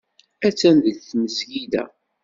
Attan deg tmesgida.